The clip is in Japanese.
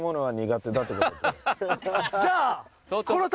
じゃあ。